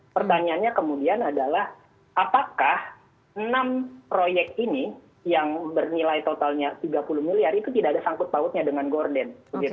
pertanyaannya kemudian adalah apakah enam proyek ini yang bernilai totalnya tiga puluh miliar itu tidak ada sangkut pautnya dengan gorden